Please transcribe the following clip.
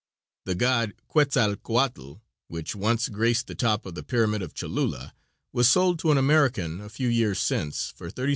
The god Quetzalcoatl, which once graced the top of the pyramid at Cholula, was sold to an American a few years since for $36,000.